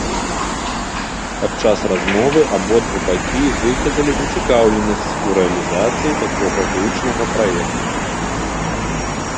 Падчас размовы абодва бакі выказалі зацікаўленасць у рэалізацыі такога гучнага праекта.